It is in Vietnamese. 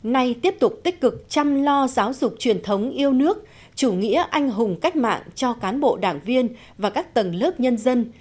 nay tiếp tục tích cực chăm lo giáo dục truyền thống yêu nước chủ nghĩa anh hùng cách mạng cho cán bộ đảng viên và các tầng lớp nhân dân